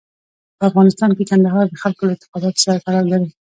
په افغانستان کې کندهار د خلکو له اعتقاداتو سره تړاو لري.